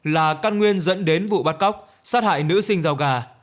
là căn nguyên dẫn đến vụ bắt cóc sát hại nữ sinh rau gà